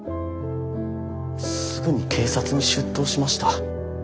すぐに警察に出頭しました。